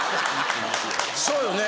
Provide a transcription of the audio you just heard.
そうよね。